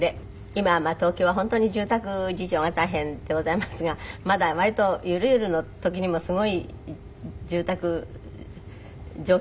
今は東京は本当に住宅事情が大変でございますがまだ割とゆるゆるの時にもすごい住宅状況の中に暮らしてらしたんですって？